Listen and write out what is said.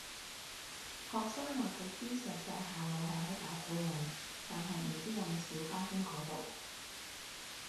學生話佢知石寨下路係喺打鼓嶺，但係唔知有冇小巴經嗰度